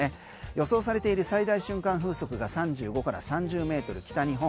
予想されている最大瞬間風速が３５から３０ｍ、北日本。